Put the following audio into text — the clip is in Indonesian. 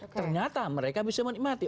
ternyata mereka bisa menikmati